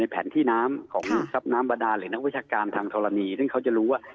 เพราะว่ามีการทำทารณีซึ่งเขาจะรู้ว่า